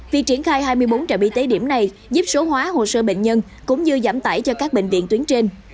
việc triển khai hai mươi bốn trạm y tế điểm này giúp số hóa hồ sơ bệnh nhân cũng như giảm tải cho các bệnh viện tuyến trên